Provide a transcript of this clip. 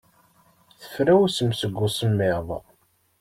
Tefrawsem seg usemmiḍ.